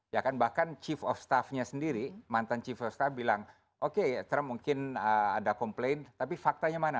ya kan bahkan chief of staffnya sendiri mantan chief of staff bilang oke trump mungkin ada komplain tapi faktanya mana